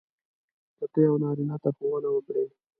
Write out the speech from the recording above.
که ته یو نارینه ته ښوونه وکړې.